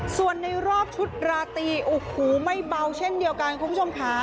ส่วนในรอบชุดราตรีโอ้โหไม่เบาเช่นเดียวกันคุณผู้ชมค่ะ